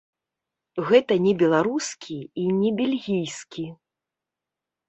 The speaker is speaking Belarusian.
Гэта не беларускі і не бельгійкі.